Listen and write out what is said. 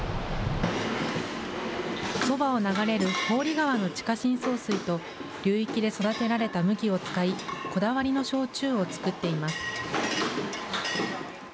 そばを流れる祝子川の地下深層水と流域で育てられた麦を使い、こだわりの焼酎を造っています。